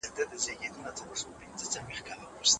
ما به د سترگو کټوري کې نه ساتل گلونه